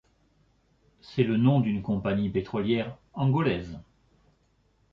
C'est le nom d'une compagnie pétrolière angolaise.